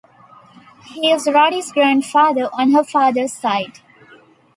He is Roddy's grandfather on her fathers side.